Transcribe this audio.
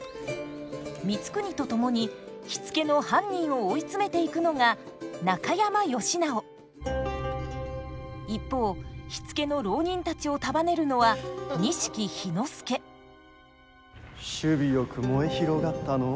光圀と共に火付けの犯人を追い詰めていくのが一方火付けの浪人たちを束ねるのは首尾よく燃え広がったのう。